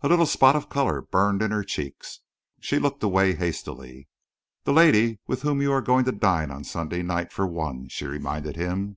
A little spot of colour burned in her cheeks. She looked away hastily. "The lady with whom you are going to dine on Sunday night, for one," she reminded him.